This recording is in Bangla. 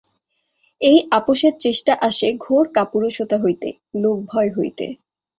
এই আপসের চেষ্টা আসে ঘোর কাপুরুষতা হইতে, লোকভয় হইতে।